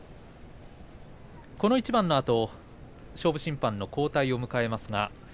この一番のあと勝負審判の交代を迎えます。